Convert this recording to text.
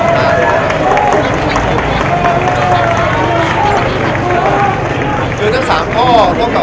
มุมการก็แจ้งแล้วเข้ากลับมานะครับ